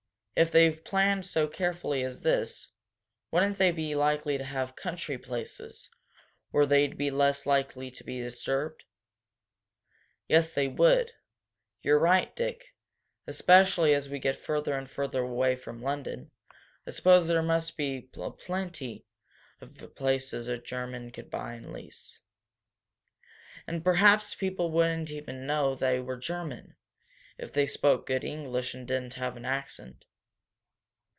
If they've planned so carefully as this, wouldn't they be likely to have country places, where they'd be less likely to be disturbed?" "Yes, they would. You're right, Dick. Especially as we get further and further away from London. I suppose there must be plenty of places a German could buy or lease." "And perhaps people wouldn't even know they were Germans, if they spoke good English, and didn't have an accent."